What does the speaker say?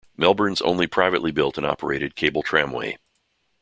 Melbourne's only privately built and operated cable tramway.